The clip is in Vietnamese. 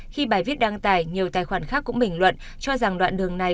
khi bài viết đăng tải nhiều tài khoản khác cũng bình luận cho rằng đoạn đường này